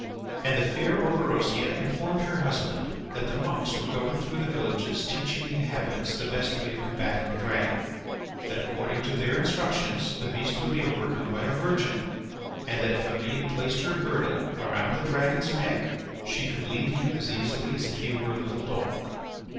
And the fair Orberosia informed her husband that the monks were going through the villages teaching the inhabitants the best way of combating the dragon; that, according to their instructions, the beast would be overcome by a virgin, and that if a maid placed her girdle around the dragon's neck she could lead him as easily as if he were a little dog.